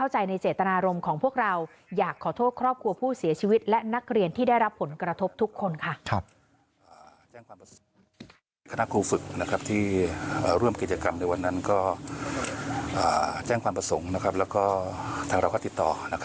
แจ้งความประสงค์และทางเราก็ติดต่อ